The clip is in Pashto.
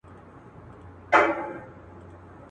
له کارګه سره پنیر یې ولیدله.